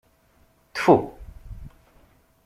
Ttfu!